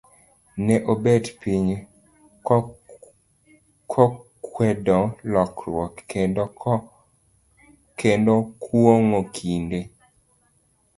ne obet piny, kokwedo lokruok, kendo kuong'o kinde.